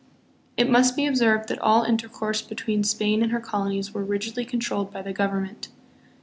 113 It must be observed that all intercourse between Spain and her colonies was rigidly controlled by the govern ment.